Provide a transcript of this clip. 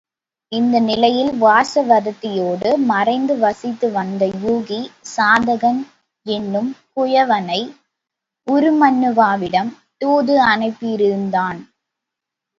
இந்த நிலையில் வாசவதத்தையோடு மறைந்து வசித்து வந்த யூகி, சாதகன் என்னும் குயவனை உருமண்ணுவாவிடம் தூது அனுப்பியிருந்தான்.